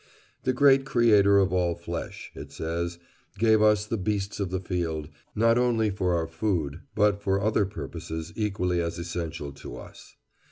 "The great Creator of all flesh," it says, "gave us the beasts of the field, not only for our food, but for other purposes equally as essential to us.